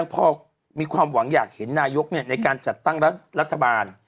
พอมีความหวังอยากเห็นนายกในการจัดตั้งรัฐบาล